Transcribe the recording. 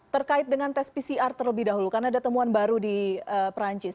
terkait dengan tes pcr terlebih dahulu karena ada temuan baru di perancis